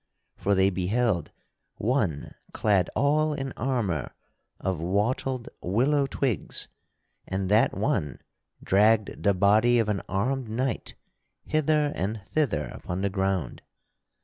For they beheld one clad all in armor of wattled willow twigs and that one dragged the body of an armed knight hither and thither upon the ground.